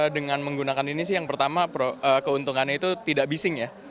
dengan menggunakan ini sih yang pertama keuntungannya itu tidak bising ya